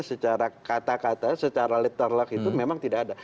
secara kata kata secara letterlock itu memang tidak ada